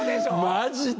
マジで？